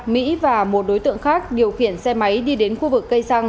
mỹ và một đối tượng khác điều khiển xe máy đi đến khu vực cây xăng